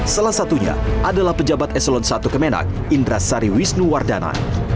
salah satunya adalah pejabat eselon i kemenak indra sari wisnuwardana